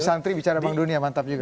santri bicara bank dunia mantap juga